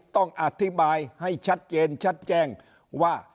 ต้องอธิบายให้ชัดเจนชัดแจ้งว่า